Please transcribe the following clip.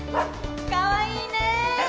かわいいね。